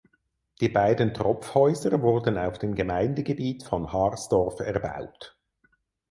Die beiden Tropfhäuser wurden auf dem Gemeindegebiet von Harsdorf erbaut.